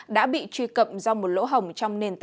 đã bị truy cập do một lỗ hồng trong nền tảng